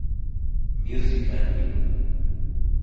Music and Me